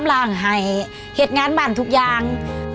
ล้างให้เห็นงานบ้านทุกอย่าง